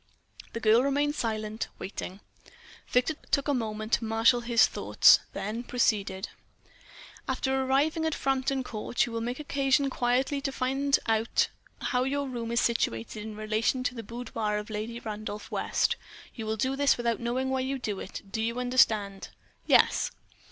The girl remained silent, waiting. Victor took a moment to marshall his thoughts, then proceeded: "After arriving at Frampton Court, you will make occasion quietly to find out how your room is situated in relation to the boudoir of Lady Randolph West. You will do this without knowing why you do it. You understand?" "Yes."